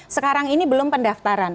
sekarang ini belum pendaftaran